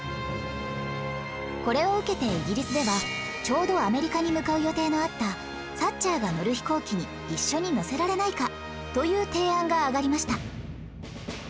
これを受けてイギリスではちょうどアメリカに向かう予定のあったサッチャーが乗る飛行機に一緒に乗せられないかという提案が挙がりました